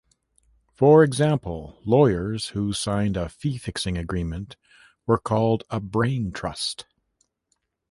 For example, lawyers who signed a fee-fixing agreement were called a brain trust.